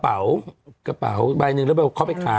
กระเป๋ากระเป๋าใบหนึ่งเรื่องมันเป็นครอปเมตรคล้าย